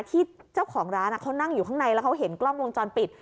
ที่เจ้าของร้านเขานั่งอยู่ข้างในแล้วเขาเห็นกล้องวงจรปิด